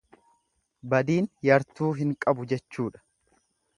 Badiin yartuu hin qabu jechuudha.